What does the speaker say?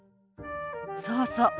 そうそう。